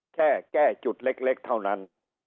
แค่แก้จุดเล็กเท่านั้น